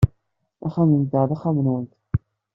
Axxam-nteɣ d axxam-nwent.